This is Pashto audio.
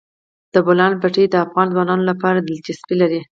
د بولان پټي د افغان ځوانانو لپاره دلچسپي لري.